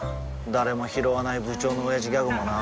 誰もひろわない部長のオヤジギャグもな